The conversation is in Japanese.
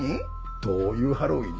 どういうハロウィーン？